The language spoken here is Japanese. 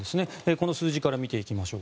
この数字から見ていきましょう。